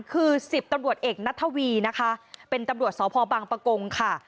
คือ๑๐ตำรวจเอกนัทวีนะคะเป็นตำรวจสพบังปะกงค่ะ